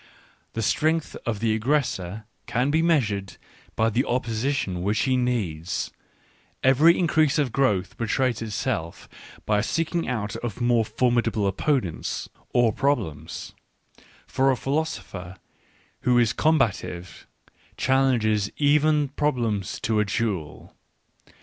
The strength of the aggressor can be measured by the opposi tion which he needs; every increase of growth betrays itself by a seeking out of more formidable opponents — or problems : for a philosopher who is combative challenges even problems to a duel.